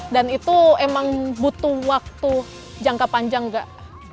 dan itu emang butuh waktu jangka panjang gak